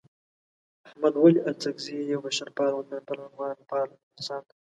احمد ولي اڅکزی یو بشرپال، وطنپال او افغانپال انسان دی.